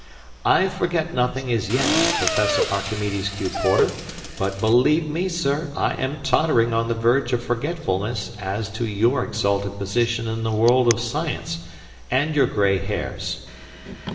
"I forget nothing as yet, Professor Archimedes Q. Porter; but, believe me, sir, I am tottering on the verge of forgetfulness as to your exalted position in the world of science, and your gray hairs."